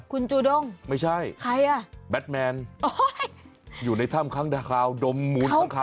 คุณจูด้งใครอ่ะไม่ใช่แบทแมนอยู่ในถ้ำข้างด้านขาวดมมุดทั้งขาวทุกวันเลย